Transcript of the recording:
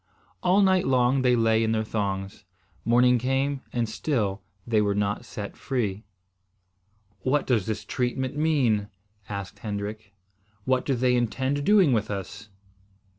All night long they lay in their thongs. Morning came and still they were not set free. "What does this treatment mean?" asked Hendrik. "What do they intend doing with us?"